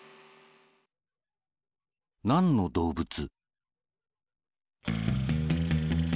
なんのどうぶつ？